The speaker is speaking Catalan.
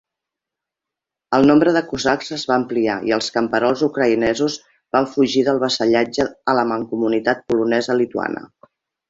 El nombre de cosacs es va ampliar i els camperols ucraïnesos van fugir del vassallatge a la mancomunitat polonesa-lituana.